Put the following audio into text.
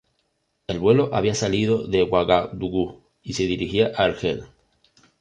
El vuelo había salido de Uagadugú y se dirigía a Argel.